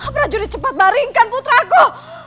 prajurit cepat baringkan putraku